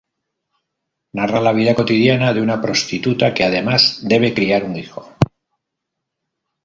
Narra la vida cotidiana de una prostituta que, además, debe criar un hijo.